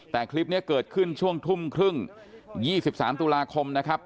แต่คลิปนี้เกิดขึ้นช่วงทุ่มครึ่ง๒๓ตุลาคมนะครับ